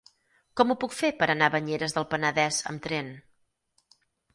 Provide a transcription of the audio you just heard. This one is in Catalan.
Com ho puc fer per anar a Banyeres del Penedès amb tren?